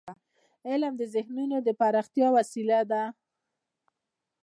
علم د ذهنونو د پراختیا وسیله ده.